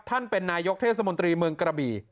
ท่านเป็นนายกเทศมนตรีเมืองกระบี่